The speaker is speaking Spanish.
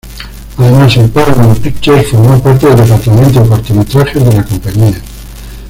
Además, en Paramount Pictures formó parte del departamento de cortometrajes de la compañía.